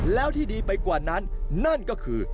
แล้วที่ดีไปกว่านั้นนั่นก็คือ